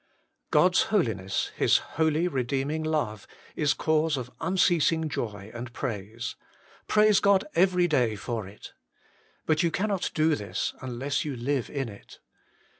3. God's Holiness, His holy redeeming love, is cause of unceasing joy and praise. Prai.ie God every day for it. But you cannot do this unless you live in it.